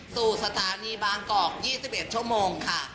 สู่สถานีบางกอก๒๑ชั่วโมงค่ะ